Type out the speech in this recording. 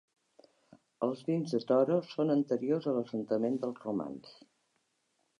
Els vins de Toro són anteriors a l'assentament dels romans.